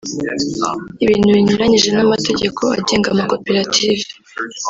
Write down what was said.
ibintu binyuranyije n’amategeko agenga amakoperative